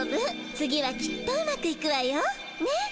次はきっとうまくいくわよ。ね？